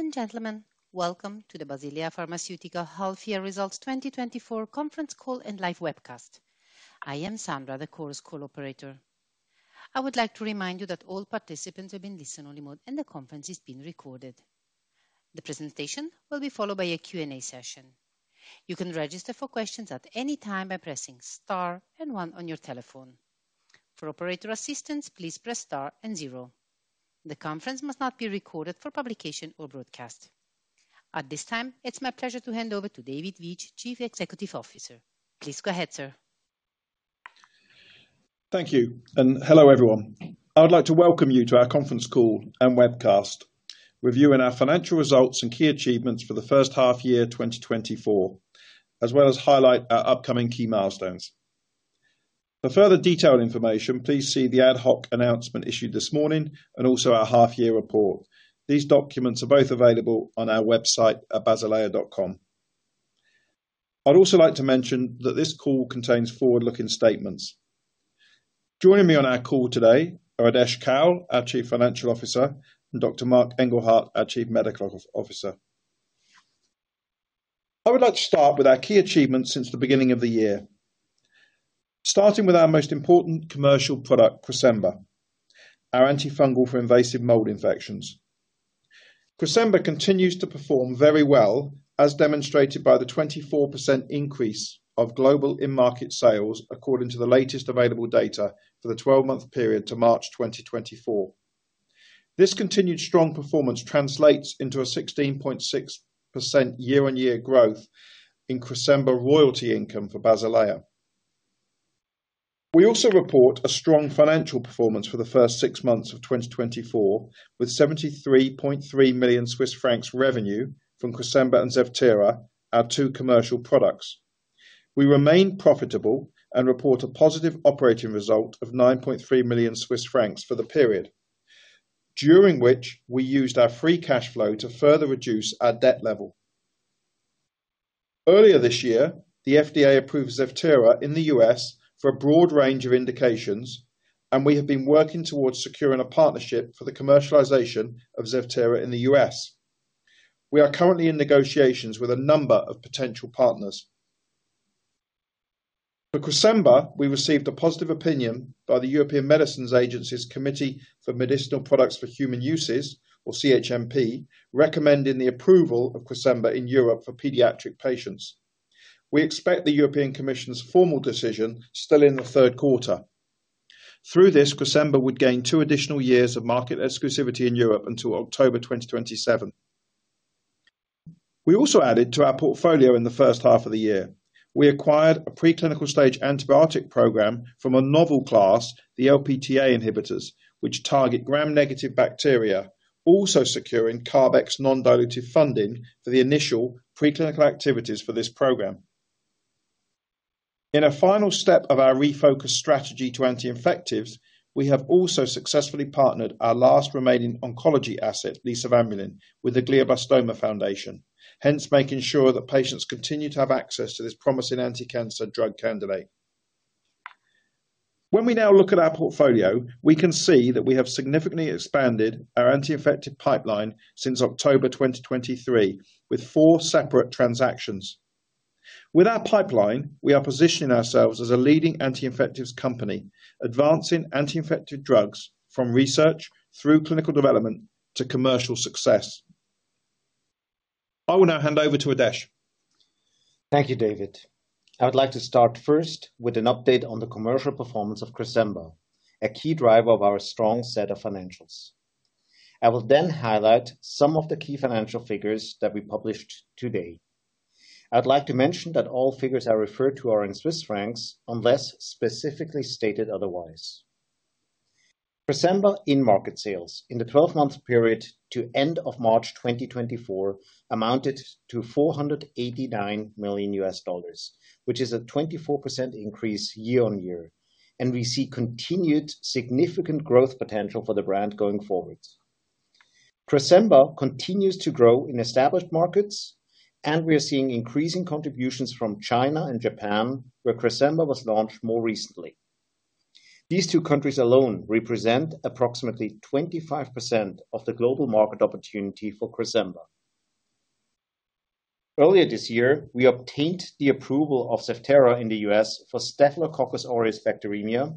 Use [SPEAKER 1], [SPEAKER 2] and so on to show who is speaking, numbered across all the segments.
[SPEAKER 1] Ladies and gentlemen, welcome to the Basilea Pharmaceutica Half-Year Results 2024 conference call and live webcast. I am Sandra, the conference call operator. I would like to remind you that all participants are in listen-only mode, and the conference is being recorded. The presentation will be followed by a Q&A session. You can register for questions at any time by pressing Star and One on your telephone. For operator assistance, please press Star and Zero. The conference must not be recorded for publication or broadcast. At this time, it's my pleasure to hand over to David Veitch, Chief Executive Officer. Please go ahead, sir.
[SPEAKER 2] Thank you, and hello, everyone. I would like to welcome you to our conference call and webcast, reviewing our financial results and key achievements for the H1 year, 2024, as well as highlight our upcoming key milestones. For further detailed information, please see the ad hoc announcement issued this morning and also our half-year report. These documents are both available on our website at basilea.com. I'd also like to mention that this call contains forward-looking statements. Joining me on our call today are Adesh Kaul, our Chief Financial Officer, and Dr. Marc Engelhardt, our Chief Medical Officer. I would like to start with our key achievements since the beginning of the year. Starting with our most important commercial product, Cresemba, our antifungal for invasive mold infections. Cresemba continues to perform very well, as demonstrated by the 24% increase of global in-market sales, according to the latest available data for the 12-month period to March 2024. This continued strong performance translates into a 16.6% year-on-year growth in Cresemba royalty income for Basilea. We also report a strong financial performance for the first six months of 2024, with 73.3 million Swiss francs revenue from Cresemba and Zevtera, our two commercial products. We remain profitable and report a positive operating result of 9.3 million Swiss francs for the period, during which we used our free cash flow to further reduce our debt level. Earlier this year, the FDA approved Zevtera in the U.S. for a broad range of indications, and we have been working towards securing a partnership for the commercialization of Zevtera in the U.S. We are currently in negotiations with a number of potential partners. For Cresemba, we received a positive opinion by the European Medicines Agency's Committee for Medicinal Products for Human Use, or CHMP, recommending the approval of Cresemba in Europe for pediatric patients. We expect the European Commission's formal decision still in the Q3. Through this, Cresemba would gain two additional years of market exclusivity in Europe until October 2027. We also added to our portfolio in the H1 of the year. We acquired a preclinical-stage antibiotic program from a novel class, the LptA inhibitors, which target gram-negative bacteria, also securing CARB-X non-dilutive funding for the initial preclinical activities for this program. In a final step of our refocused strategy to anti-infectives, we have also successfully partnered our last remaining oncology asset, Lisavanbulin, with the Glioblastoma Foundation, hence making sure that patients continue to have access to this promising anti-cancer drug candidate. When we now look at our portfolio, we can see that we have significantly expanded our anti-infective pipeline since October 2023, with four separate transactions. With our pipeline, we are positioning ourselves as a leading anti-infectives company, advancing anti-infective drugs from research through clinical development to commercial success. I will now hand over to Adesh.
[SPEAKER 3] Thank you, David. I would like to start first with an update on the commercial performance of Cresemba, a key driver of our strong set of financials. I will then highlight some of the key financial figures that we published today. I'd like to mention that all figures I refer to are in Swiss francs, unless specifically stated otherwise. Cresemba in-market sales in the twelve-month period to end of March 2024 amounted to $489 million, which is a 24% increase year-on-year, and we see continued significant growth potential for the brand going forward. Cresemba continues to grow in established markets, and we are seeing increasing contributions from China and Japan, where Cresemba was launched more recently. These two countries alone represent approximately 25% of the global market opportunity for Cresemba. Earlier this year, we obtained the approval of Zevtera in the U.S. for Staphylococcus aureus bacteremia,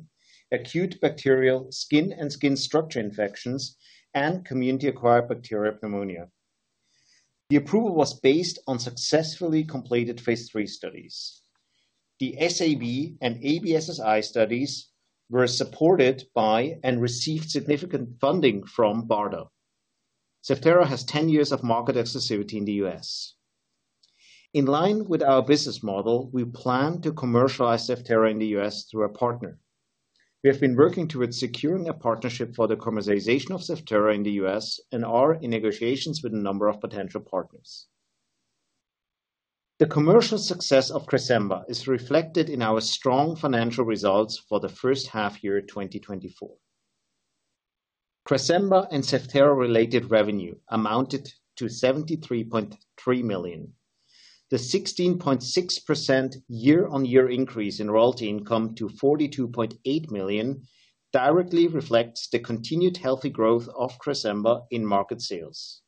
[SPEAKER 3] acute bacterial skin and skin structure infections, and community-acquired bacterial pneumonia. The approval was based on successfully completed phase III studies. The SAB and ABSSI studies were supported by and received significant funding from BARDA. Zevtera has 10 years of market exclusivity in the U.S. In line with our business model, we plan to commercialize Zevtera in the U.S. through a partner. We have been working towards securing a partnership for the commercialization of Zevtera in the U.S. and are in negotiations with a number of potential partners. The commercial success of Cresemba is reflected in our strong financial results for the H1 year, 2024. Cresemba and Zevtera-related revenue amounted to 73.3 million.... The 16.6% year-on-year increase in royalty income to 42.8 million directly reflects the continued healthy growth of Cresemba in market sales.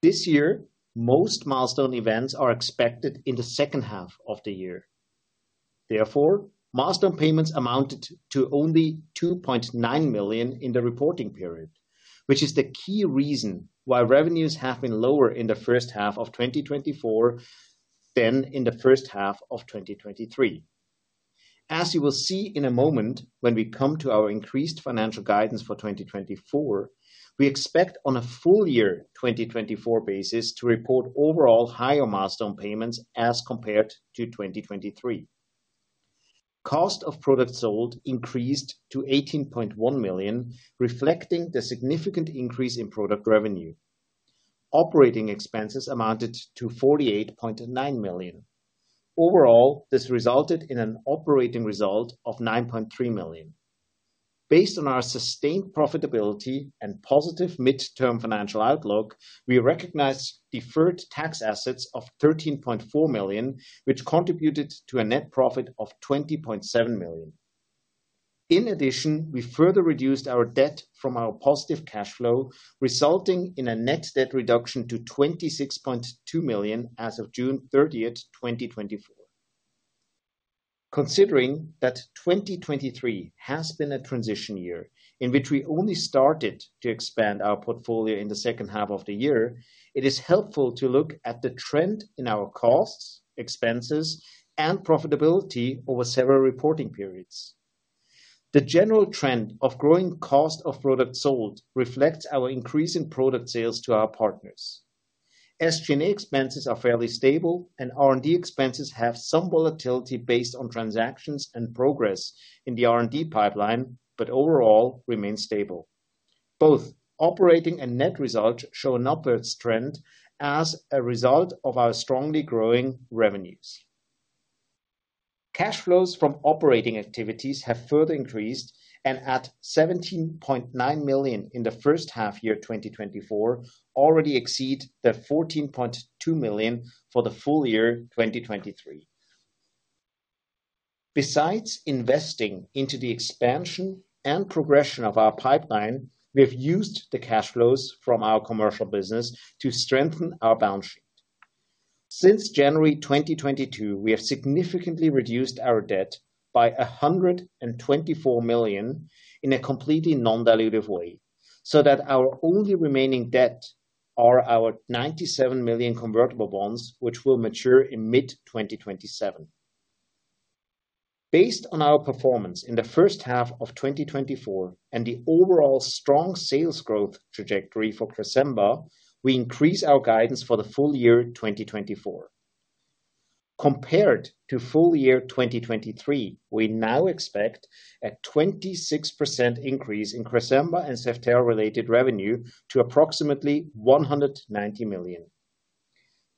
[SPEAKER 3] This year, most milestone events are expected in the H2 of the year. Therefore, milestone payments amounted to only 2.9 million in the reporting period, which is the key reason why revenues have been lower in the H1 of 2024 than in the H1 of 2023. As you will see in a moment, when we come to our increased financial guidance for 2024, we expect on a full year 2024 basis to report overall higher milestone payments as compared to 2023. Cost of products sold increased to 18.1 million, reflecting the significant increase in product revenue. Operating expenses amounted to 48.9 million. Overall, this resulted in an operating result of 9.3 million. Based on our sustained profitability and positive midterm financial outlook, we recognize deferred tax assets of 13.4 million, which contributed to a net profit of 20.7 million. In addition, we further reduced our debt from our positive cash flow, resulting in a net debt reduction to 26.2 million as of June 30, 2024. Considering that 2023 has been a transition year in which we only started to expand our portfolio in the H2 of the year, it is helpful to look at the trend in our costs, expenses, and profitability over several reporting periods. The general trend of growing cost of products sold reflects our increase in product sales to our partners. SG&A expenses are fairly stable, and R&D expenses have some volatility based on transactions and progress in the R&D pipeline, but overall remain stable. Both operating and net results show an upwards trend as a result of our strongly growing revenues. Cash flows from operating activities have further increased, and at 17.9 million in the H1 year 2024, already exceed the 14.2 million for the full year 2023. Besides investing into the expansion and progression of our pipeline, we have used the cash flows from our commercial business to strengthen our balance sheet. Since January 2022, we have significantly reduced our debt by 124 million in a completely non-dilutive way, so that our only remaining debt are our 97 million convertible bonds, which will mature in mid-2027. Based on our performance in the H1 of 2024 and the overall strong sales growth trajectory for Cresemba, we increase our guidance for the full year 2024. Compared to full year 2023, we now expect a 26% increase in Cresemba and Zevtera-related revenue to approximately 190 million.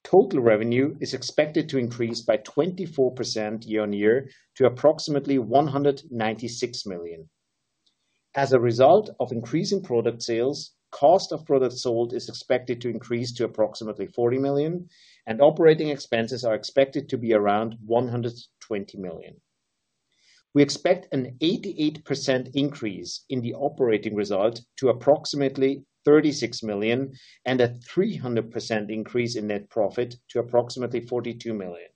[SPEAKER 3] Total revenue is expected to increase by 24% year-on-year to approximately 196 million. As a result of increasing product sales, cost of products sold is expected to increase to approximately 40 million, and operating expenses are expected to be around 120 million. We expect an 88% increase in the operating result to approximately 36 million, and a 300% increase in net profit to approximately 42 million.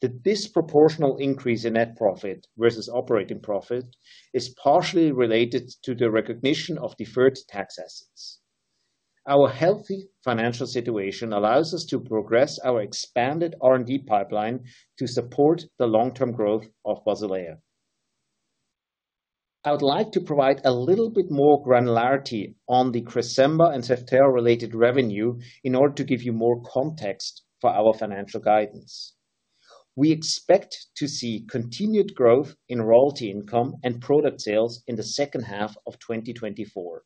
[SPEAKER 3] The disproportionate increase in net profit versus operating profit is partially related to the recognition of deferred tax assets. Our healthy financial situation allows us to progress our expanded R&D pipeline to support the long-term growth of Basilea. I would like to provide a little bit more granularity on the Cresemba and Zevtera-related revenue in order to give you more context for our financial guidance. We expect to see continued growth in royalty income and product sales in the H2 of 2024.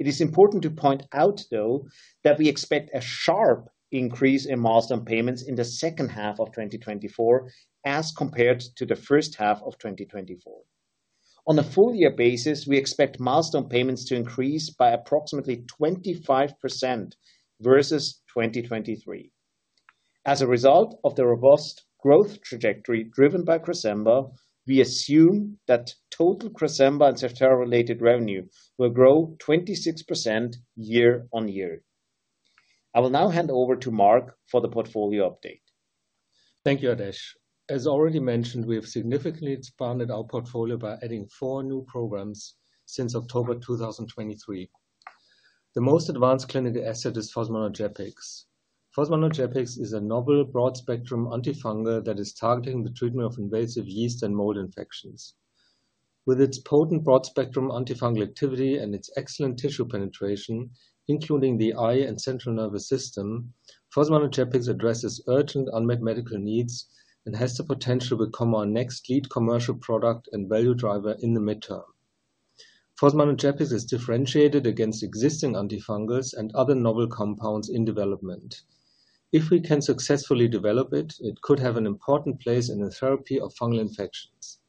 [SPEAKER 3] It is important to point out, though, that we expect a sharp increase in milestone payments in the H2 of 2024 as compared to the H1 of 2024. On a full year basis, we expect milestone payments to increase by approximately 25% versus 2023. As a result of the robust growth trajectory driven by Cresemba, we assume that total Cresemba and Zevtera-related revenue will grow 26% year-on-year. I will now hand over to Marc for the portfolio update.
[SPEAKER 4] Thank you, Adesh. As already mentioned, we have significantly expanded our portfolio by adding 4 new programs since October 2023. The most advanced clinical asset is Fosmanogepix. Fosmanogepix is a novel broad-spectrum antifungal that is targeting the treatment of invasive yeast and mold infections. With its potent broad-spectrum antifungal activity and its excellent tissue penetration, including the eye and central nervous system, Fosmanogepix addresses urgent unmet medical needs and has the potential to become our next lead commercial product and value driver in the midterm. Fosmanogepix is differentiated against existing antifungals and other novel compounds in development. If we can successfully develop it, it could have an important place in the therapy of fungal infections.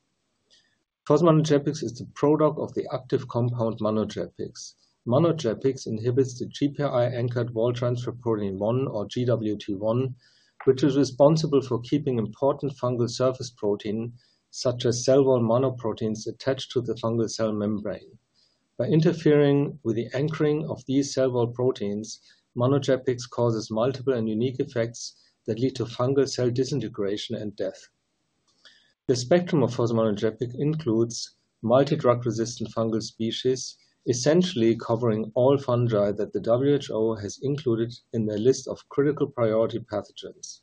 [SPEAKER 4] Fosmanogepix is the product of the active compound manogepix. Manogepix inhibits the GPI-anchored wall transfer protein 1, or Gwt1, which is responsible for keeping important fungal surface protein, such as cell wall mannoproteins, attached to the fungal cell membrane. By interfering with the anchoring of these cell wall proteins, manogepix causes multiple and unique effects that lead to fungal cell disintegration and death. The spectrum of fosmanogepix includes multi-drug-resistant fungal species, essentially covering all fungi that the WHO has included in their list of critical priority pathogens.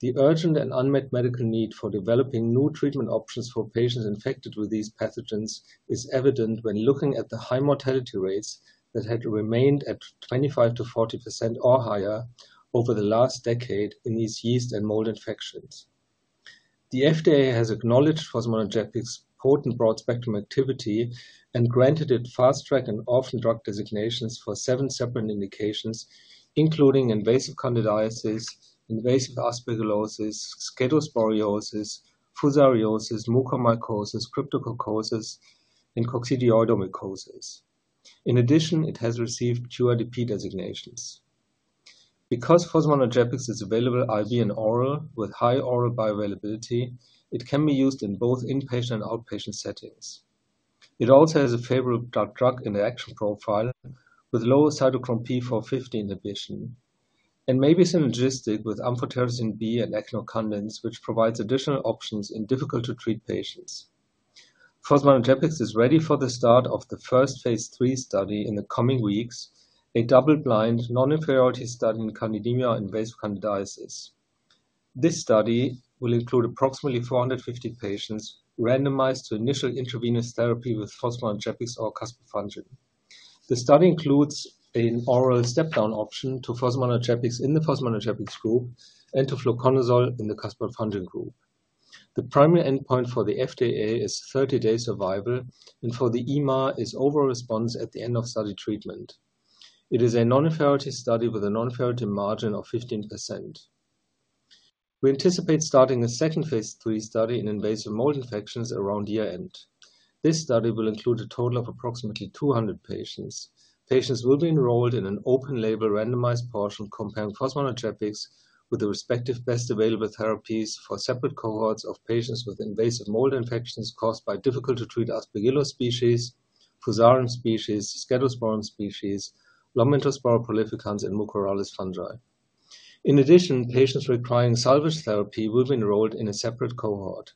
[SPEAKER 4] The urgent and unmet medical need for developing new treatment options for patients infected with these pathogens is evident when looking at the high mortality rates that had remained at 25%-40% or higher over the last decade in these yeast and mold infections. The FDA has acknowledged fosmanogepix's potent broad-spectrum activity and granted it fast track and orphan drug designations for seven separate indications, including invasive candidiasis, invasive aspergillosis, scedosporiosis, phaeohyphomycosis, mucormycosis, cryptococcosis, and coccidioidomycosis. In addition, it has received QIDP designations. Because fosmanogepix is available IV and oral with high oral bioavailability, it can be used in both inpatient and outpatient settings. It also has a favorable drug-drug interaction profile with lower cytochrome P450 inhibition and may be synergistic with amphotericin B and echinocandins, which provides additional options in difficult-to-treat patients. Fosmanogepix is ready for the start of the first phase III study in the coming weeks, a double-blind, non-inferiority study in candidemia invasive candidiasis. This study will include approximately 450 patients randomized to initial intravenous therapy with fosmanogepix or caspofungin. The study includes an oral step-down option to fosmanogepix in the fosmanogepix group and to fluconazole in the caspofungin group. The primary endpoint for the FDA is 30-day survival, and for the EMA, is overall response at the end of study treatment. It is a non-inferiority study with a non-inferiority margin of 15%. We anticipate starting a second phase III study in invasive mold infections around year-end. This study will include a total of approximately 200 patients. Patients will be enrolled in an open-label, randomized portion, comparing fosmanogepix with the respective best available therapies for separate cohorts of patients with invasive mold infections caused by difficult-to-treat Aspergillus species, Fusarium species, Scedosporium species, Lomentospora prolificans, and Mucorales fungi. In addition, patients requiring salvage therapy will be enrolled in a separate cohort.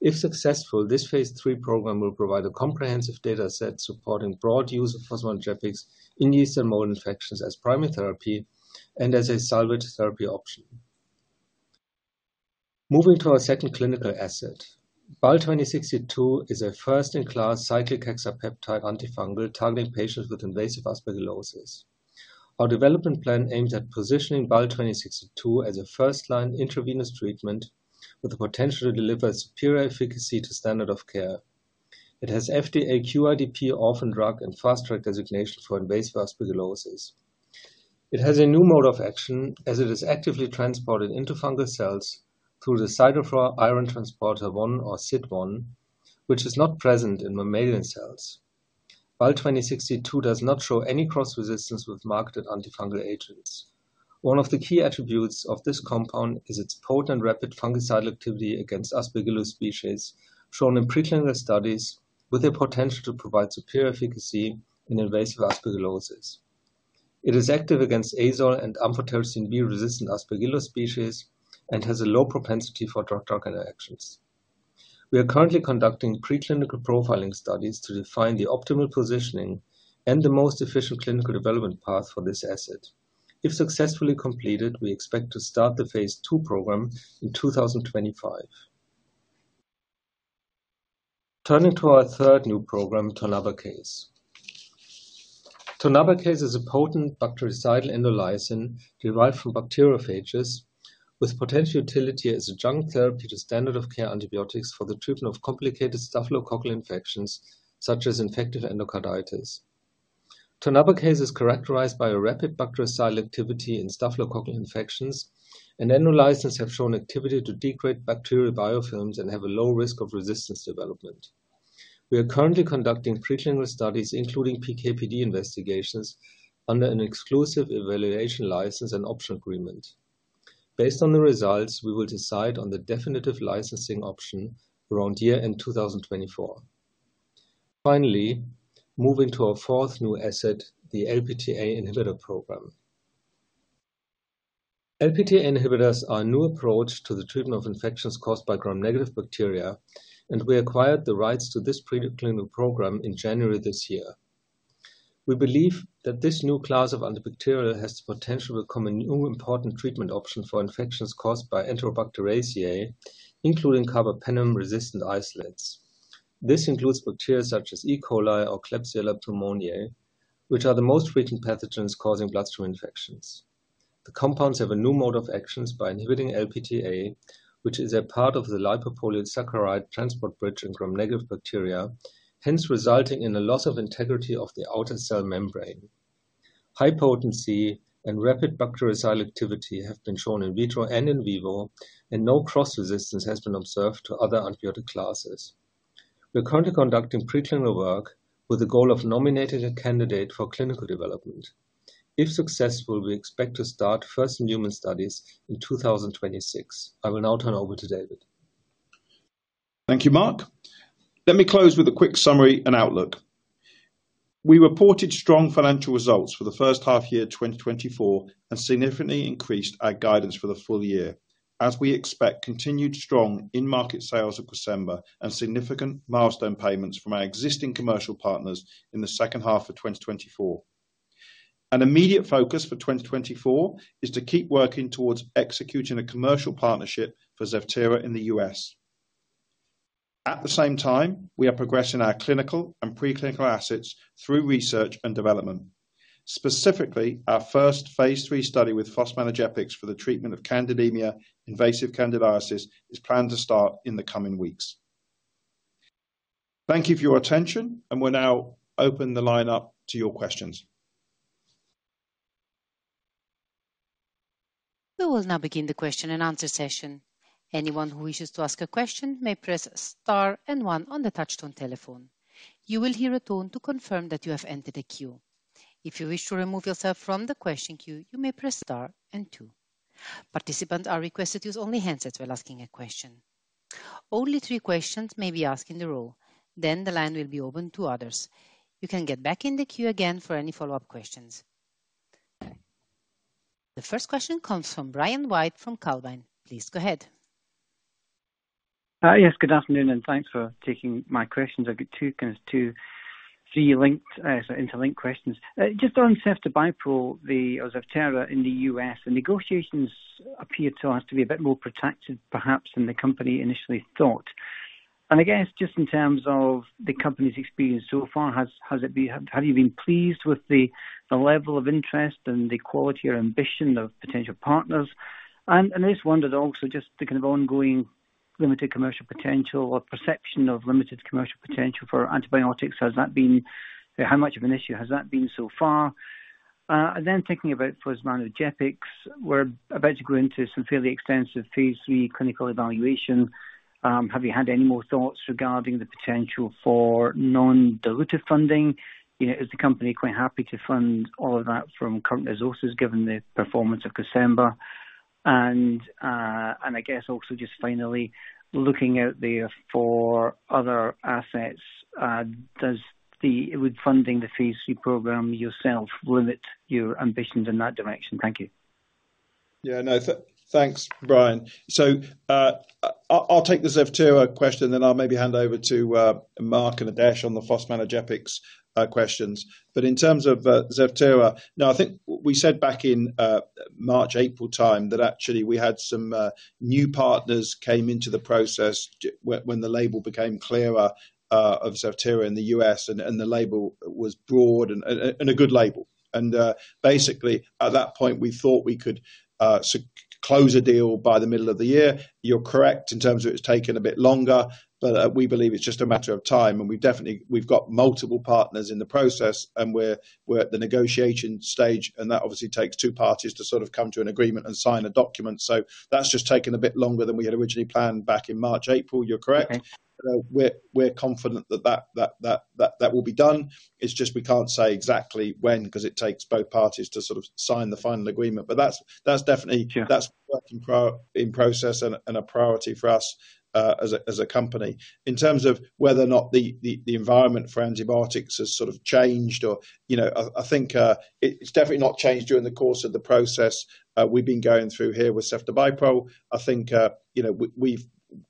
[SPEAKER 4] If successful, this phase III program will provide a comprehensive data set supporting broad use of fosmanogepix in yeast and mold infections as primary therapy and as a salvage therapy option. Moving to our second clinical asset. BAL2062 is a first-in-class cyclic hexapeptide antifungal targeting patients with invasive aspergillosis. Our development plan aims at positioning BAL2062 as a first-line intravenous treatment with the potential to deliver superior efficacy to standard of care. It has FDA QIDP, orphan drug, and fast track designation for invasive aspergillosis. It has a new mode of action as it is actively transported into fungal cells through the siderophore iron transporter one or Sit1, which is not present in mammalian cells. BAL2062 does not show any cross-resistance with marketed antifungal agents. One of the key attributes of this compound is its potent, rapid fungicidal activity against Aspergillus species, shown in preclinical studies with the potential to provide superior efficacy in invasive aspergillosis. It is active against azole and Amphotericin B-resistant Aspergillus species and has a low propensity for drug-drug interactions. We are currently conducting preclinical profiling studies to define the optimal positioning and the most efficient clinical development path for this asset. If successfully completed, we expect to start the phase II program in 2025. Turning to our third new program, Tonabacase. Tonabacase is a potent bactericidal endolysin derived from bacteriophages, with potential utility as adjunctive therapy to standard of care antibiotics for the treatment of complicated staphylococcal infections, such as infective endocarditis. Tonabacase is characterized by a rapid bactericidal activity in staphylococcal infections, and endolysins have shown activity to degrade bacterial biofilms and have a low risk of resistance development. We are currently conducting preclinical studies, including PK/PD investigations, under an exclusive evaluation license and option agreement. Based on the results, we will decide on the definitive licensing option around year-end 2024. Finally, moving to our fourth new asset, the LptA inhibitor program. LptA inhibitors are a new approach to the treatment of infections caused by gram-negative bacteria, and we acquired the rights to this preclinical program in January this year. We believe that this new class of antibacterial has the potential to become a new important treatment option for infections caused by Enterobacteriaceae, including carbapenem-resistant isolates. This includes bacteria such as E. coli or Klebsiella pneumoniae, which are the most frequent pathogens causing bloodstream infections. The compounds have a new mode of actions by inhibiting LptA, which is a part of the lipopolysaccharide transport bridge in gram-negative bacteria, hence resulting in a loss of integrity of the outer cell membrane. High potency and rapid bactericidal activity have been shown in vitro and in vivo, and no cross-resistance has been observed to other antibiotic classes. We're currently conducting preclinical work with the goal of nominating a candidate for clinical development. If successful, we expect to start first human studies in 2026. I will now turn over to David.
[SPEAKER 2] Thank you, Marc. Let me close with a quick summary and outlook. We reported strong financial results for the H1 year, 2024, and significantly increased our guidance for the full year as we expect continued strong in-market sales of Cresemba and significant milestone payments from our existing commercial partners in the H2 of 2024. An immediate focus for 2024 is to keep working towards executing a commercial partnership for Zevtera in the U.S. At the same time, we are progressing our clinical and preclinical assets through research and development. Specifically, our first phase III study with fosmanogepix for the treatment of candidemia, invasive candidiasis, is planned to start in the coming weeks. Thank you for your attention, and we'll now open the line up to your questions.
[SPEAKER 1] We will now begin the question and answer session. Anyone who wishes to ask a question may press Star and One on the touchtone telephone. You will hear a tone to confirm that you have entered a queue. If you wish to remove yourself from the question queue, you may press Star and Two. Participants are requested to use only handsets while asking a question. Only three questions may be asked in a row, then the line will be open to others. You can get back in the queue again for any follow-up questions. The first question comes from Brian White, from Calvine. Please go ahead.
[SPEAKER 5] Yes, good afternoon, and thanks for taking my questions. I've got two, kind of two, three linked, so interlinked questions. Just on ceftobiprole or Zevtera in the U.S. the negotiations appear to us to be a bit more protracted, perhaps, than the company initially thought. And I guess, just in terms of the company's experience so far, has it been? Have you been pleased with the level of interest and the quality or ambition of potential partners? And I just wondered also just the kind of ongoing limited commercial potential or perception of limited commercial potential for antibiotics, has that been... How much of an issue has that been so far? And then thinking about fosmanogepix, we're about to go into some fairly extensive phase III clinical evaluation. Have you had any more thoughts regarding the potential for non-dilutive funding? You know, is the company quite happy to fund all of that from current resources, given the performance of Cresemba? I guess also just finally looking out there for other assets, would funding the phase III program yourself limit your ambitions in that direction? Thank you.
[SPEAKER 2] Yeah, no, thanks, Brian. So, I'll take the Zevtera question, then I'll maybe hand over to Marc and Adesh on the fosmanogepix questions. But in terms of Zevtera, now, I think we said back in March, April time, that actually we had some new partners came into the process when the label became clearer of Zevtera in the U.S. and the label was broad and a good label. And basically, at that point, we thought we could close a deal by the middle of the year. You're correct, in terms of it's taken a bit longer, but we believe it's just a matter of time, and we definitely... We've got multiple partners in the process, and we're at the negotiation stage, and that obviously takes two parties to sort of come to an agreement and sign a document. So that's just taken a bit longer than we had originally planned back in March, April. You're correct.
[SPEAKER 5] Okay.
[SPEAKER 2] We're confident that will be done. It's just we can't say exactly when, 'cause it takes both parties to sort of sign the final agreement. But that's definitely-
[SPEAKER 5] Sure.
[SPEAKER 2] -that's working pro, in process and a priority for us, as a, as a company. In terms of whether or not the, the environment for antibiotics has sort of changed or, you know, I think, it, it's definitely not changed during the course of the process, we've been going through here with Zevtera. I think, you know,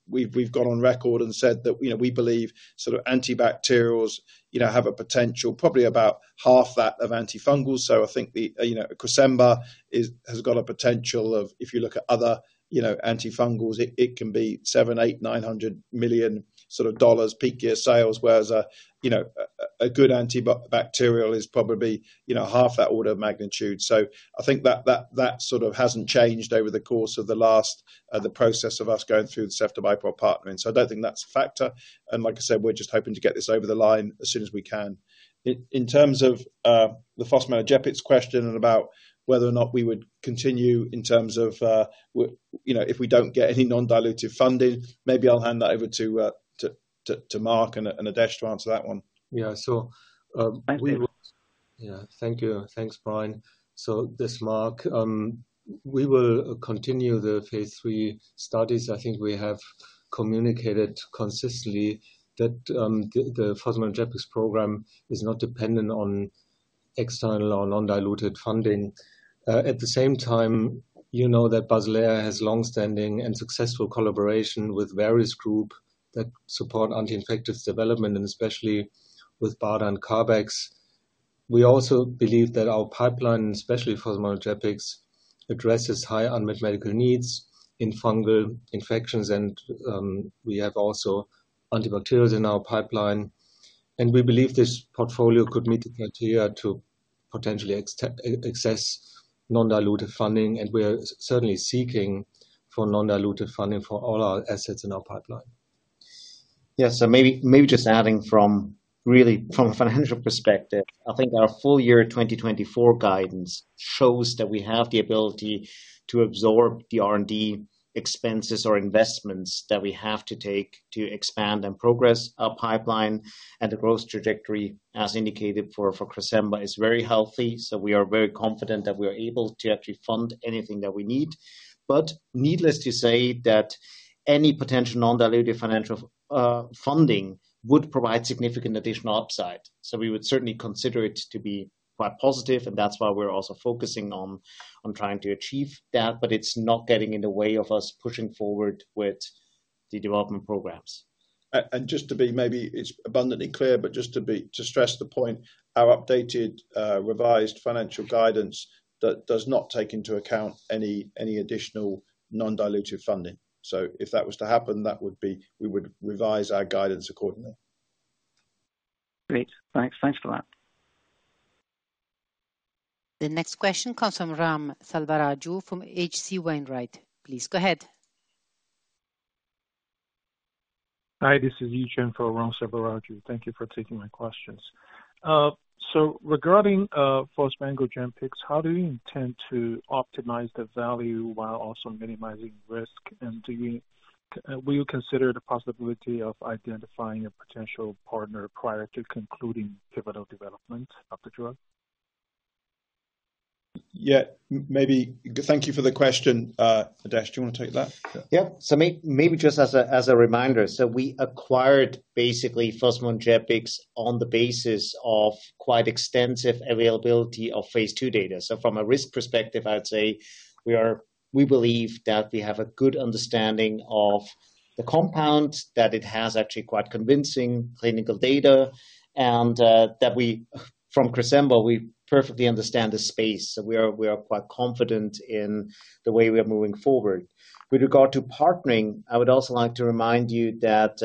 [SPEAKER 2] we've gone on record and said that, you know, we believe sort of antibacterials, you know, have a potential, probably about half that of antifungals. So I think the, you know, Cresemba is, has got a potential of... If you look at other, you know, antifungals, it, it can be $700-$900 million sort of dollars peak year sales, whereas a, you know, a, a good antibacterial is probably, you know, half that order of magnitude. So I think that sort of hasn't changed over the course of the last, the process of us going through the Ceftobiprole partnering. So I don't think that's a factor, and like I said, we're just hoping to get this over the line as soon as we can. In terms of the fosmanogepix question about whether or not we would continue in terms of, you know, if we don't get any non-dilutive funding, maybe I'll hand that over to Marc and Adesh to answer that one.
[SPEAKER 4] Yeah. So, we will-
[SPEAKER 5] Thank you.
[SPEAKER 4] Yeah. Thank you. Thanks, Brian. So this is Marc. We will continue the phase III studies. I think we have communicated consistently that the fosmanogepix program is not dependent on external or non-dilutive funding. At the same time, you know that Basilea has long-standing and successful collaboration with various groups that support anti-infectives development, and especially with BARDA and CARB-X. We also believe that our pipeline, especially fosmanogepix, addresses high unmet medical needs in fungal infections, and we have also antibacterials in our pipeline, and we believe this portfolio could meet the criteria to potentially access non-dilutive funding, and we are certainly seeking non-dilutive funding for all our assets in our pipeline....
[SPEAKER 3] Yes, so maybe, maybe just adding from really from a financial perspective, I think our full year 2024 guidance shows that we have the ability to absorb the R&D expenses or investments that we have to take to expand and progress our pipeline. And the growth trajectory, as indicated for Cresemba, is very healthy. So we are very confident that we are able to actually fund anything that we need. But needless to say, that any potential non-dilutive financial funding would provide significant additional upside. So we would certainly consider it to be quite positive, and that's why we're also focusing on trying to achieve that. But it's not getting in the way of us pushing forward with the development programs.
[SPEAKER 2] Just to be maybe it's abundantly clear, but just to be to stress the point, our updated, revised financial guidance that does not take into account any, any additional non-dilutive funding. So if that was to happen, that would be... We would revise our guidance accordingly.
[SPEAKER 5] Great. Thanks. Thanks for that.
[SPEAKER 1] The next question comes from Ram Selvaraju from HC Wainwright. Please, go ahead.
[SPEAKER 6] Hi, this is Yi Chen for Ram Selvaraju. Thank you for taking my questions. Regarding fosmanogepix, how do you intend to optimize the value while also minimizing risk? And will you consider the possibility of identifying a potential partner prior to concluding pivotal development of the drug?
[SPEAKER 2] Yeah, maybe. Thank you for the question. Adesh, do you want to take that?
[SPEAKER 3] Yeah. So maybe just as a reminder, so we acquired basically fosmanogepix on the basis of quite extensive availability of phase II data. So from a risk perspective, I'd say we believe that we have a good understanding of the compound, that it has actually quite convincing clinical data, and that we, from Cresemba, we perfectly understand the space. So we are, we are quite confident in the way we are moving forward. With regard to partnering, I would also like to remind you that,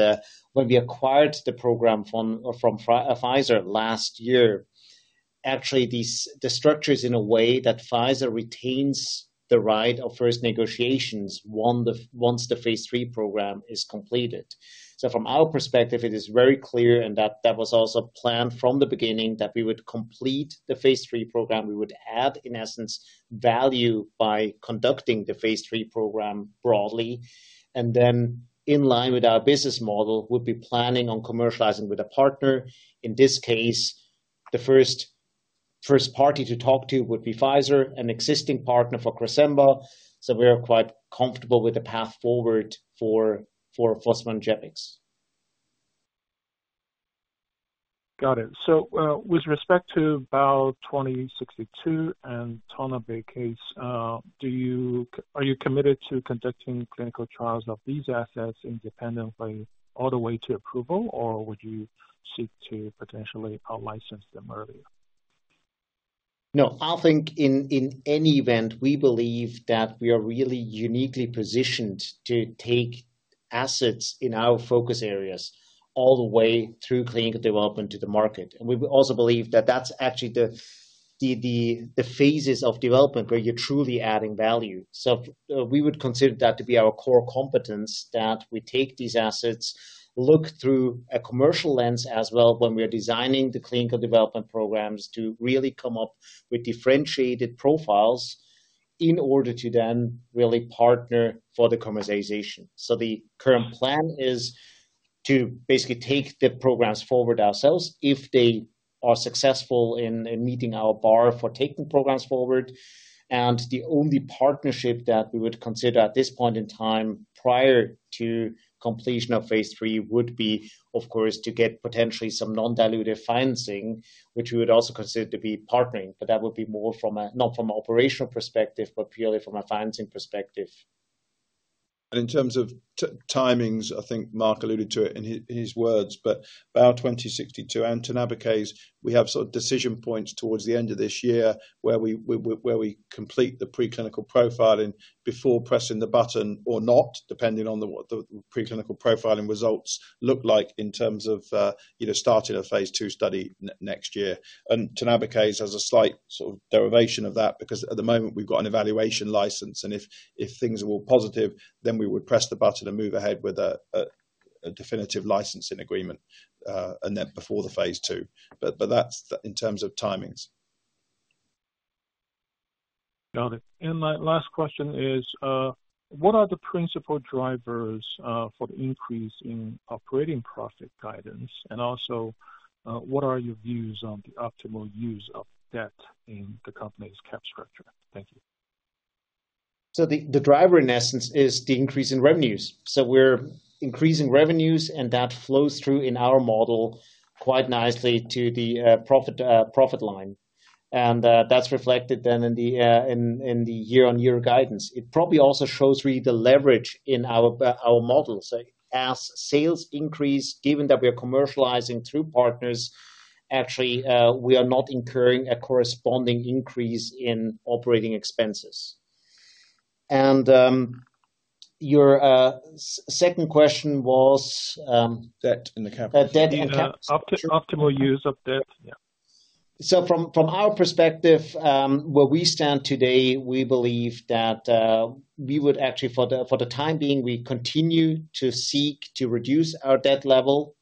[SPEAKER 3] when we acquired the program from Pfizer last year, actually, the structure is in a way that Pfizer retains the right of first negotiations once the phase III program is completed. So from our perspective, it is very clear, and that, that was also planned from the beginning, that we would complete the phase III program. We would add, in essence, value by conducting the phase III program broadly, and then in line with our business model, would be planning on commercializing with a partner. In this case, the first, first party to talk to would be Pfizer, an existing partner for Cresemba. So we are quite comfortable with the path forward for, for fosmanogepix.
[SPEAKER 6] Got it. So, with respect to BAL2062 and Tonabacase, are you committed to conducting clinical trials of these assets independently all the way to approval, or would you seek to potentially license them earlier?
[SPEAKER 3] No, I think in any event, we believe that we are really uniquely positioned to take assets in our focus areas all the way through clinical development to the market. And we also believe that that's actually the phases of development where you're truly adding value. So we would consider that to be our core competence, that we take these assets, look through a commercial lens as well, when we are designing the clinical development programs, to really come up with differentiated profiles in order to then really partner for the commercialization. So the current plan is to basically take the programs forward ourselves if they are successful in meeting our bar for taking programs forward. The only partnership that we would consider at this point in time, prior to completion of phase III, would be, of course, to get potentially some non-dilutive financing, which we would also consider to be partnering. That would be more from a, not from an operational perspective, but purely from a financing perspective.
[SPEAKER 2] In terms of timings, I think Marc alluded to it in his words, but BAL2062 and Tonabacase, we have sort of decision points towards the end of this year, where we complete the preclinical profiling before pressing the button or not, depending on what the preclinical profiling results look like in terms of either starting a phase II study next year. And Tonabacase has a slight sort of derivation of that, because at the moment we've got an evaluation license, and if things are all positive, then we would press the button and move ahead with a definitive licensing agreement, and then before the phase II. But that's in terms of timings.
[SPEAKER 6] Got it. My last question is, what are the principal drivers for the increase in operating profit guidance? Also, what are your views on the optimal use of debt in the company's cap structure? Thank you.
[SPEAKER 3] So the driver, in essence, is the increase in revenues. So we're increasing revenues, and that flows through in our model quite nicely to the profit line. And that's reflected then in the year-on-year guidance. It probably also shows really the leverage in our model. So as sales increase, given that we are commercializing through partners, actually, we are not incurring a corresponding increase in operating expenses. And your second question was-
[SPEAKER 2] Debt and the capital.
[SPEAKER 3] debt and capital.
[SPEAKER 6] Optimal use of debt, yeah....
[SPEAKER 3] So from our perspective, where we stand today, we believe that we would actually, for the time being, we continue to seek to reduce our debt level.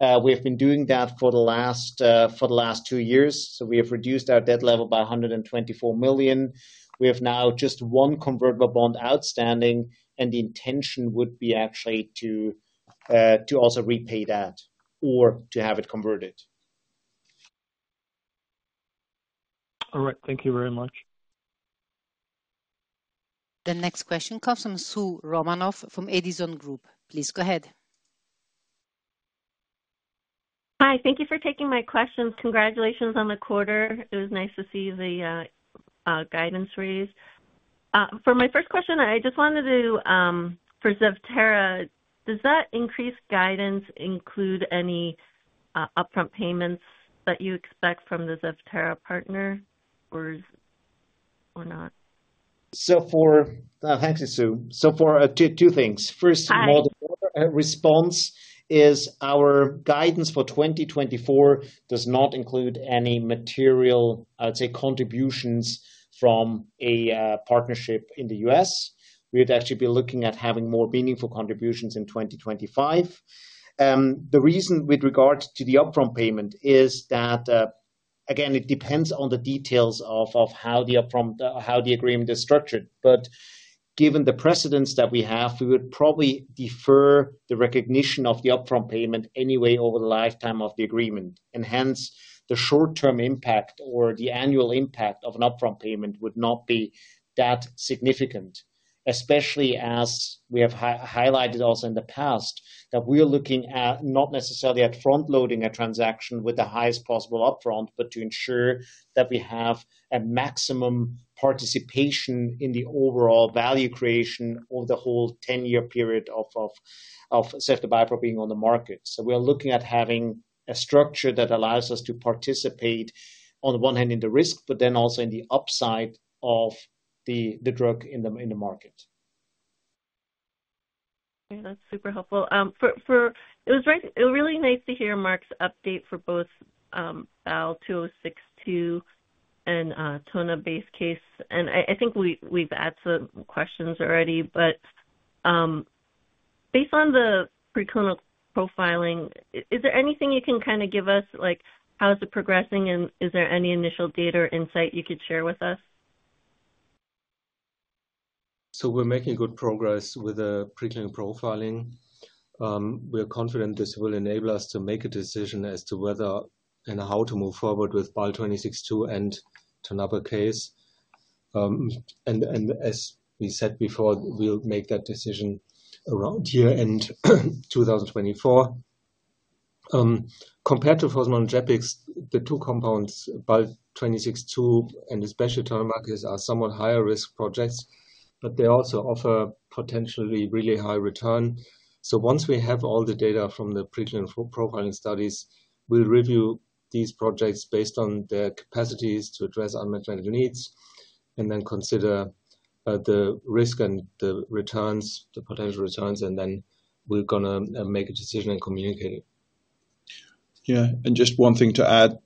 [SPEAKER 3] We have been doing that for the last two years, so we have reduced our debt level by 124 million. We have now just one convertible bond outstanding, and the intention would be actually to also repay that or to have it converted.
[SPEAKER 6] All right. Thank you very much.
[SPEAKER 1] The next question comes from Soo Romanoff from Edison Group. Please go ahead.
[SPEAKER 7] Hi, thank you for taking my questions. Congratulations on the quarter. It was nice to see the guidance raised. For my first question, I just wanted to for Zevtera, does that increase guidance include any upfront payments that you expect from the Zevtera partner or not?
[SPEAKER 3] Thank you, Soo. So, for two things.
[SPEAKER 7] Hi.
[SPEAKER 3] First, response is our guidance for 2024 does not include any material, I'd say, contributions from a partnership in the US. We would actually be looking at having more meaningful contributions in 2025. The reason with regards to the upfront payment is that, again, it depends on the details of how the agreement is structured. But given the precedents that we have, we would probably defer the recognition of the upfront payment anyway over the lifetime of the agreement. And hence, the short-term impact or the annual impact of an upfront payment would not be that significant, especially as we have highlighted also in the past, that we are looking at not necessarily front-loading a transaction with the highest possible upfront, but to ensure that we have a maximum participation in the overall value creation over the whole ten-year period of Zevtera being on the market. So we are looking at having a structure that allows us to participate on the one hand, in the risk, but then also in the upside of the drug in the market.
[SPEAKER 7] Yeah, that's super helpful. It was right, it was really nice to hear Marc's update for both, BAL2062 and Tonabacase, and I think we've asked some questions already, but, based on the preclinical profiling, is there anything you can kinda give us? Like, how is it progressing and is there any initial data or insight you could share with us?
[SPEAKER 4] So we're making good progress with the preclinical profiling. We are confident this will enable us to make a decision as to whether and how to move forward with BAL2062 and Tonabacase. And as we said before, we'll make that decision around year end 2024. Compared to Fosmanogepix, the two compounds, BAL2062 and the special Tonabacase, are somewhat higher risk projects, but they also offer potentially really high return. So once we have all the data from the preclinical profiling studies, we'll review these projects based on their capacities to address unmet clinical needs and then consider the risk and the returns, the potential returns, and then we're gonna make a decision and communicate it.
[SPEAKER 2] Yeah, and just one thing to add,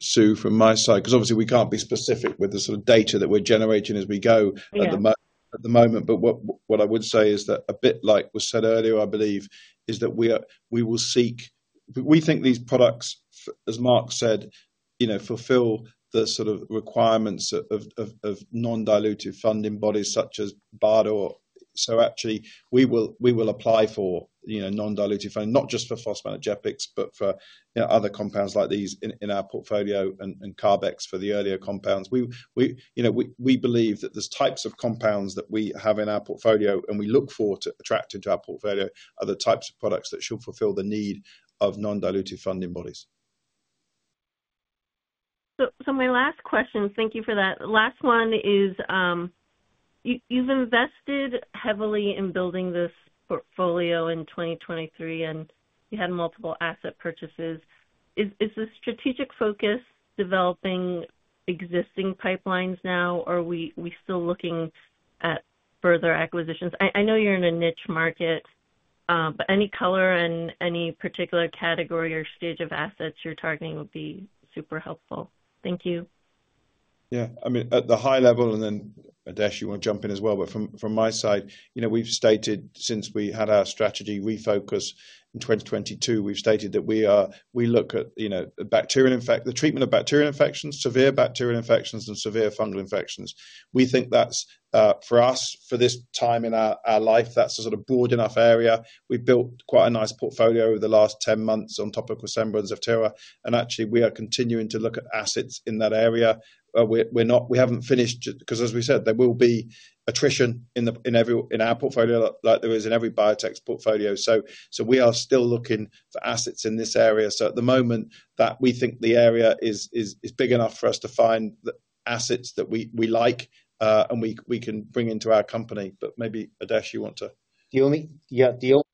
[SPEAKER 2] Sue, from my side, 'cause obviously we can't be specific with the sort of data that we're generating as we go.
[SPEAKER 7] Yeah.
[SPEAKER 2] At the moment, but what I would say is that a bit like was said earlier, I believe, is that we are. We will seek - we think these products, as Marc said, you know, fulfill the sort of requirements of non-dilutive funding bodies such as BARDA. So actually, we will apply for, you know, non-dilutive funding, not just for Fosmanogepix, but for, you know, other compounds like these in our portfolio and CARB-X for the earlier compounds. We, you know, we believe that there's types of compounds that we have in our portfolio, and we look forward to attracting to our portfolio are the types of products that should fulfill the need of non-dilutive funding bodies.
[SPEAKER 7] My last question, thank you for that. Last one is, you've invested heavily in building this portfolio in 2023, and you had multiple asset purchases. Is the strategic focus developing existing pipelines now, or are we still looking at further acquisitions? I know you're in a niche market, but any color and any particular category or stage of assets you're targeting would be super helpful. Thank you.
[SPEAKER 2] Yeah. I mean, at the high level, and then Adesh, you want to jump in as well, but from my side, you know, we've stated since we had our strategy refocus in 2022, we've stated that we look at, you know, the treatment of bacterial infections, severe bacterial infections and severe fungal infections. We think that's for us, for this time in our life, that's a sort of broad enough area. We've built quite a nice portfolio over the last 10 months on top of Cresemba Zevtera, and actually, we are continuing to look at assets in that area. We're not-- we haven't finished, 'cause as we said, there will be attrition in every, in our portfolio, like there is in every biotech's portfolio. So we are still looking for assets in this area. So at the moment that we think the area is big enough for us to find the assets that we like, and we can bring into our company. But maybe, Adesh, you want to-
[SPEAKER 3] Yeah, the only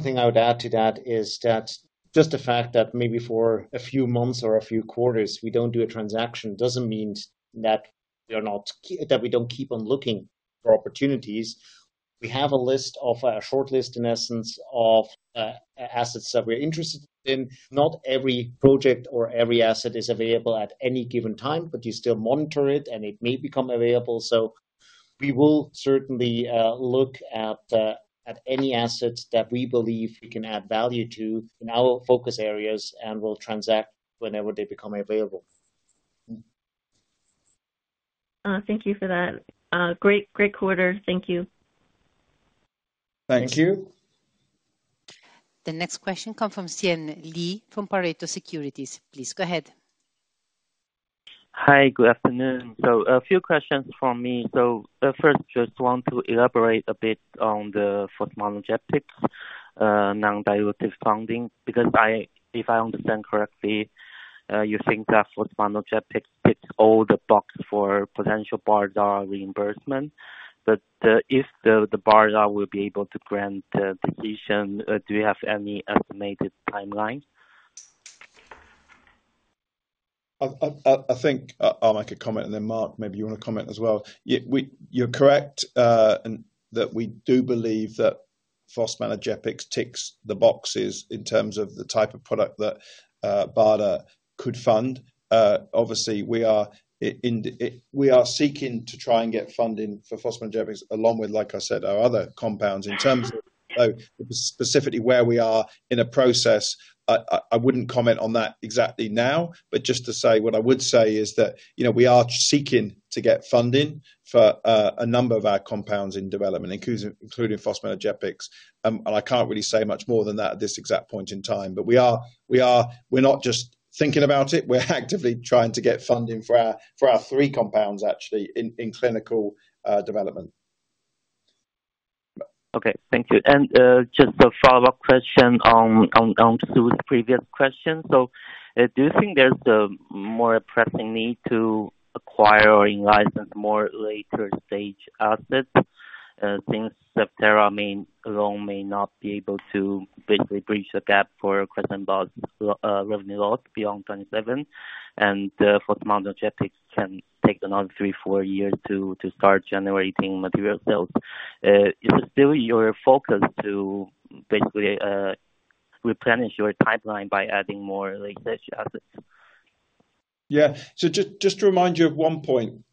[SPEAKER 3] thing I would add to that is that just the fact that maybe for a few months or a few quarters, we don't do a transaction doesn't mean that we are not that we don't keep on looking for opportunities. We have a list of a short list, in essence, of assets that we're interested in. Not every project or every asset is available at any given time, but you still monitor it, and it may become available. So we will certainly look at any assets that we believe we can add value to in our focus areas, and we'll transact whenever they become available.
[SPEAKER 7] Thank you for that. Great, great quarter. Thank you.
[SPEAKER 3] Thank you.
[SPEAKER 1] The next question comes from Xian Deng, from Pareto Securities. Please go ahead.
[SPEAKER 8] Hi, good afternoon. So a few questions from me. So, first, just want to elaborate a bit on the fosmanogepix, non-dilutive funding, because if I understand correctly, you think that fosmanogepix ticks all the box for potential BARDA reimbursement. But, if the BARDA will be able to grant the petition, do you have any estimated timeline?
[SPEAKER 2] I think I'll make a comment, and then, Marc, maybe you want to comment as well. Yeah, we— You're correct, in that we do believe that fosmanogepix ticks the boxes in terms of the type of product that, BARDA could fund. Obviously, we are seeking to try and get funding for fosmanogepix, along with, like I said, our other compounds. In terms of, specifically where we are in a process, I wouldn't comment on that exactly now. But just to say, what I would say is that, you know, we are seeking to get funding for, a number of our compounds in development, including fosmanogepix. And I can't really say much more than that at this exact point in time. But we are, we are... We're not just thinking about it, we're actively trying to get funding for our three compounds, actually, in clinical development.
[SPEAKER 8] Okay, thank you. Just a follow-up question on Soo’s previous question. So, do you think there’s a more pressing need to acquire or in-license more later-stage assets, since Zevtera may alone may not be able to basically bridge the gap for Cresemba’s revenue loss beyond 2027, and fosmanogepix can take another 3-4 years to start generating material sales? Is it still your focus to basically replenish your pipeline by adding more late-stage assets?
[SPEAKER 2] Yeah. So just to remind you of one point,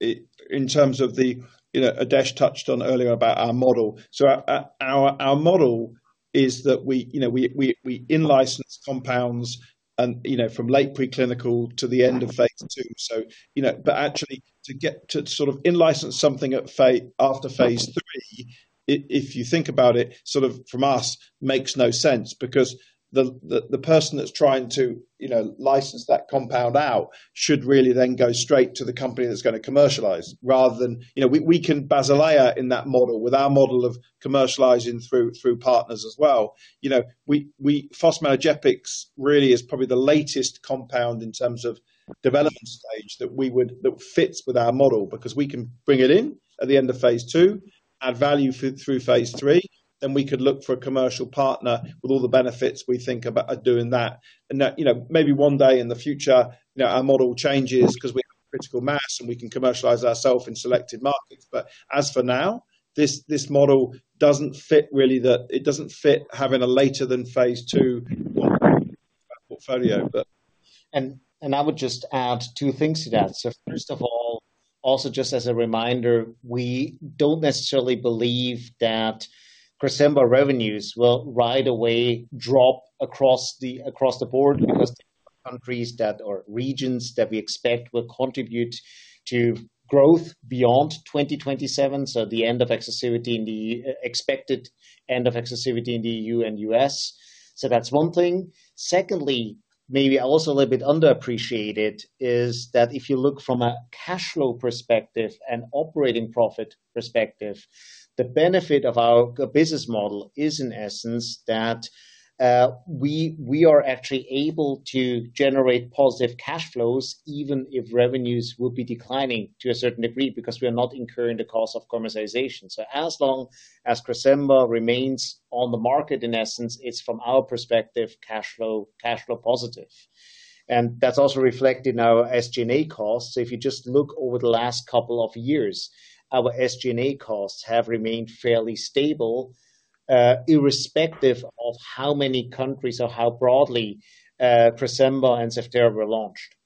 [SPEAKER 2] in terms of the, you know, Adesh touched on earlier about our model. So our model is that we, you know, we in-license compounds and, you know, from late preclinical to the end of phase II. So, you know, but actually, to get to sort of in-license something after phase III, if you think about it, sort of from us, makes no sense. Because the person that's trying to, you know, license that compound out should really then go straight to the company that's gonna commercialize rather than... You know, we can baselayer in that model, with our model of commercializing through partners as well. You know, fosmanogepix really is probably the latest compound in terms of development stage that fits with our model. Because we can bring it in at the end of phase II, add value through phase III, then we could look for a commercial partner with all the benefits we think about doing that. And that, you know, maybe one day in the future, you know, our model changes 'cause we have critical mass, and we can commercialize ourself in selected markets. But as for now, this model doesn't fit really it doesn't fit having a later than phase II portfolio, but.
[SPEAKER 3] And I would just add two things to that. So first of all, also just as a reminder, we don't necessarily believe that Cresemba revenues will right away drop across the board.
[SPEAKER 8] Mm-hmm.
[SPEAKER 3] Because countries that, or regions that we expect will contribute to growth beyond 2027, so the end of exclusivity in the, expected end of exclusivity in the EU and U.S. So that's one thing. Secondly, maybe also a little bit underappreciated, is that if you look from a cash flow perspective and operating profit perspective, the benefit of our business model is, in essence, that, we are actually able to generate positive cash flows, even if revenues will be declining to a certain degree, because we are not incurring the cost of commercialization. So as long as Cresemba remains on the market, in essence, it's from our perspective, cash flow, cash flow positive. And that's also reflected in our SG&A costs. So if you just look over the last couple of years, our SG&A costs have remained fairly stable, irrespective of how many countries or how broadly, Cresemba and Zevtera were launched.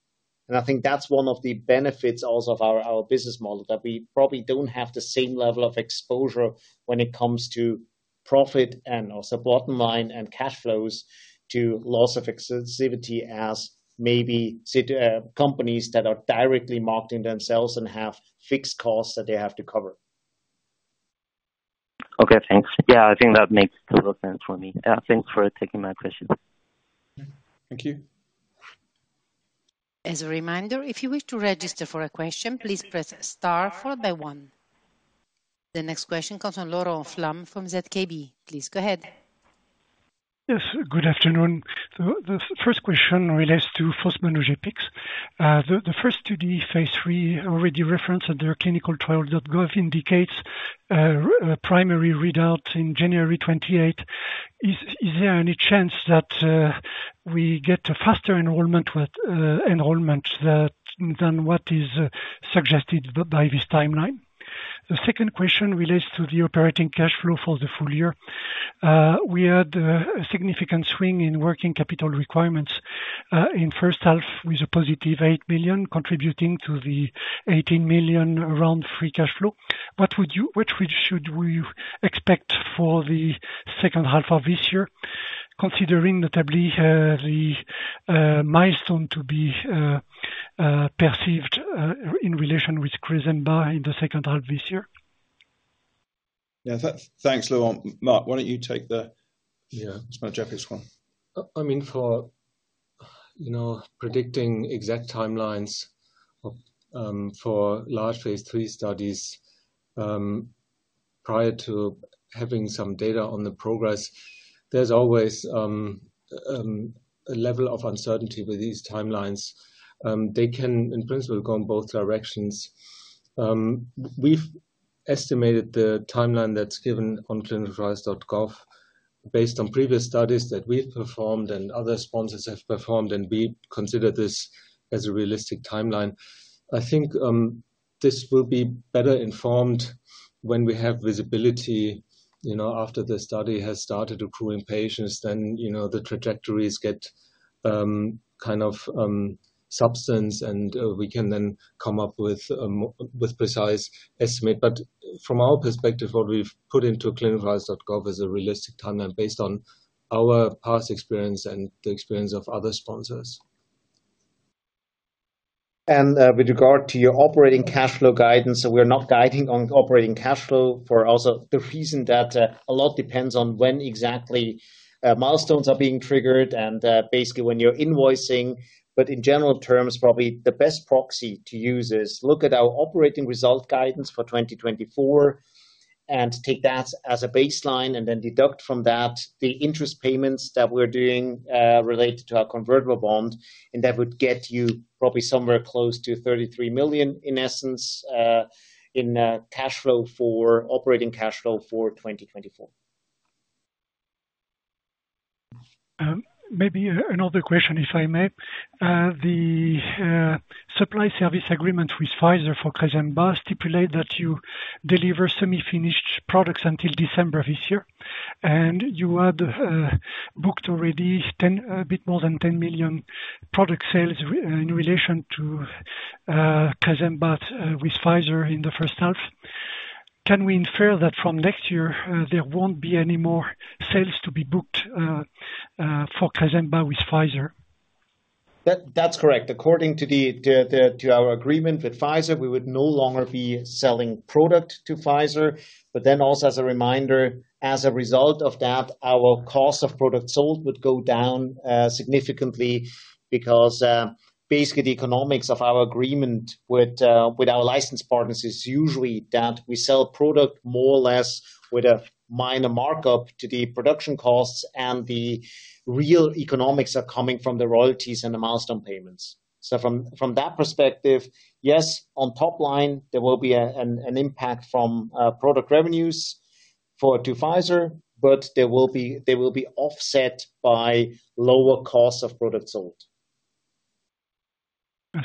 [SPEAKER 3] And I think that's one of the benefits also of our, our business model, that we probably don't have the same level of exposure when it comes to profit and also bottom line and cash flows, to loss of exclusivity as maybe some companies that are directly marketing themselves and have fixed costs that they have to cover.
[SPEAKER 8] Okay, thanks. Yeah, I think that makes total sense for me. Thanks for taking my question.
[SPEAKER 3] Thank you.
[SPEAKER 1] As a reminder, if you wish to register for a question, please press star followed by one. The next question comes from Laurent Flamme from ZKB. Please go ahead.
[SPEAKER 9] Yes, good afternoon. So the first question relates to fosmanogepix. The first two, the phase III, already referenced under ClinicalTrials.gov, indicates primary readout in January 2028. Is there any chance that we get a faster enrollment than what is suggested by this timeline? The second question relates to the operating cash flow for the full year. We had a significant swing in working capital requirements in H1, with a positive 8 million contributing to the 18 million around free cash flow. What should we expect for the H2 of this year, considering notably the milestone to be received in relation with Cresemba in the H2 this year?
[SPEAKER 2] Yeah, that's. Thanks, Laurent. Marc, why don't you take the-
[SPEAKER 4] Yeah.
[SPEAKER 2] It's my Japanese one.
[SPEAKER 4] I mean, for you know, predicting exact timelines for large phase III studies, prior to having some data on the progress, there's always a level of uncertainty with these timelines. They can, in principle, go in both directions. We've estimated the timeline that's given on ClinicalTrials.gov, based on previous studies that we've performed and other sponsors have performed, and we consider this as a realistic timeline. I think this will be better informed when we have visibility, you know, after the study has started accruing patients, then you know, the trajectories get kind of substance, and we can then come up with with precise estimate. But from our perspective, what we've put into ClinicalTrials.gov is a realistic timeline based on our past experience and the experience of other sponsors.
[SPEAKER 3] With regard to your operating cash flow guidance, we're not guiding on operating cash flow for also the reason that a lot depends on when exactly milestones are being triggered and basically when you're invoicing. But in general terms, probably the best proxy to use is look at our operating result guidance for 2024, and take that as a baseline and then deduct from that the interest payments that we're doing related to our convertible bond, and that would get you probably somewhere close to 33 million, in essence, in cash flow for operating cash flow for 2024.
[SPEAKER 9] Maybe another question, if I may. The supply service agreement with Pfizer for Cresemba stipulate that you deliver semi-finished products until December this year, and you had booked already a bit more than 10 million product sales in relation to Cresemba with Pfizer in the H1. Can we infer that from next year there won't be any more sales to be booked for Cresemba with Pfizer?
[SPEAKER 3] That's correct. According to our agreement with Pfizer, we would no longer be selling product to Pfizer. But then also, as a reminder, as a result of that, our cost of product sold would go down significantly because basically, the economics of our agreement with our license partners is usually that we sell product more or less with a minor markup to the production costs, and the real economics are coming from the royalties and the milestone payments. So from that perspective, yes, on top line, there will be an impact from product revenues to Pfizer, but they will be offset by lower costs of product sold.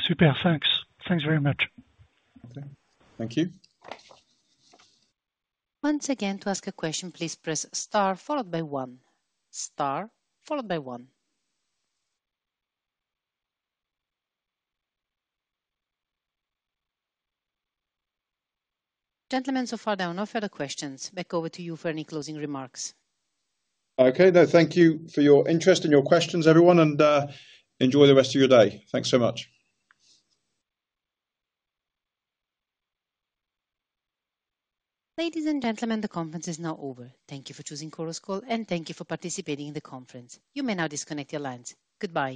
[SPEAKER 9] Superb. Thanks. Thanks very much.
[SPEAKER 4] Okay.
[SPEAKER 3] Thank you.
[SPEAKER 1] Once again, to ask a question, please press Star followed by one. Star followed by one. Gentlemen, so far there are no further questions. Back over to you for any closing remarks.
[SPEAKER 2] Okay, then, thank you for your interest and your questions, everyone, and enjoy the rest of your day. Thanks so much.
[SPEAKER 1] Ladies and gentlemen, the conference is now over. Thank you for choosing Chorus Call, and thank you for participating in the conference. You may now disconnect your lines. Goodbye.